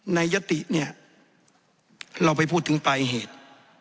ยติเนี่ยเราไปพูดถึงปลายเหตุ